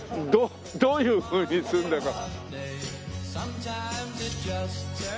どういうふうにするんだか。